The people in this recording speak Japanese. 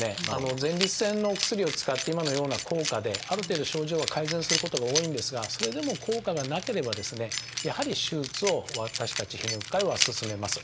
前立腺のお薬を使って今のような効果である程度症状が改善することが多いんですがそれでも効果がなければですねやはり手術を私たち泌尿器科医は勧めます。